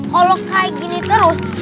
kalau kayak gini terus